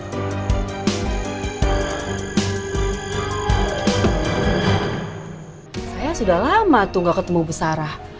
saya sudah lama tuh gak ketemu bu sarah